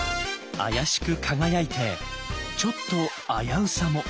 妖しく輝いてちょっと危うさも。